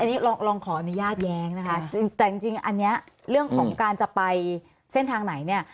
อันนี้ลองขออนุญาตแย้งนะคะจริงแต่จริงอันนี้เรื่องของการจะไปเส้นทางไหนเนี่ย